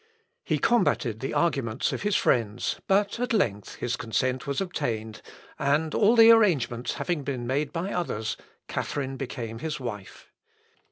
He combated the arguments of his friends; but at length his consent was obtained, and all the arrangements having been made by others, Catharine became his wife.